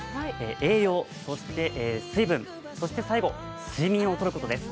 栄養、そして水分、そして最後睡眠を取ることです。